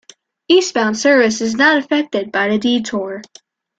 Eastbound service is not affected by the detour.